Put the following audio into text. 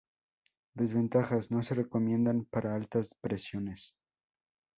Desventajas: No se recomiendan para altas presiones.